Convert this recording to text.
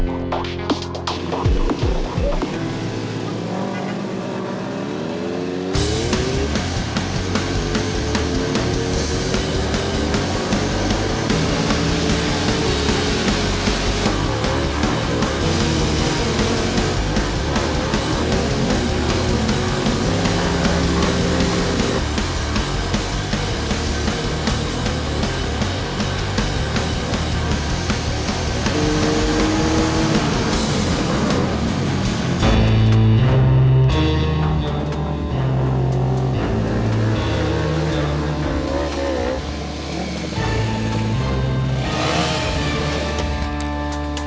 udah pak gausah pak